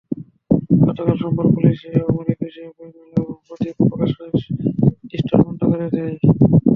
গতকাল সোমবার পুলিশ অমর একুশে বইমেলায় ব-দ্বীপ প্রকাশনের স্টল বন্ধ করে দেয়।